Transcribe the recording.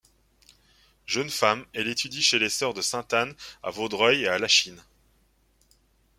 Jeune femme, elle étudie chez les Sœurs de Sainte-Anne à Vaudreuil et à Lachine.